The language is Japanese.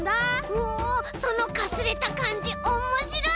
おそのかすれたかんじおもしろい！